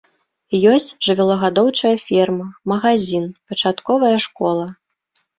Ёсць жывёлагадоўчая ферма, магазін, пачатковая школа.